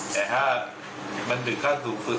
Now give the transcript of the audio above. แต่ถ้ามันถึงขั้นถูกฝึก